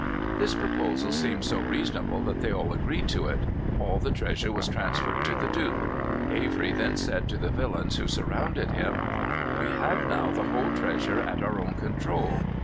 This proposal seemed so reasonable that they all agreed to it. All the treasure was transferred to the Duke. Avery then said to the villains who surrounded him: "We have now the whole treasure at our own control.